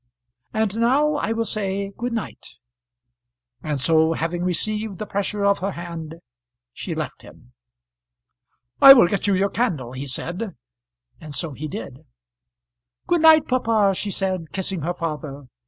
And now I will say good night." And so, having received the pressure of her hand, she left him. "I will get you your candle," he said, and so he did. "Good night, papa," she said, kissing her father.